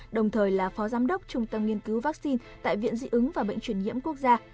đồng thời là phó giám đốc trung tâm nghiên cứu vaccine tại viện dị ứng và bệnh truyền nhiễm quốc gia